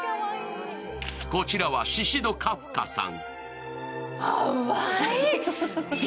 こちらはシシド・カフカさん。